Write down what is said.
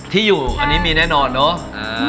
ที่อยู่อันนี้มีแน่นอนเนอะ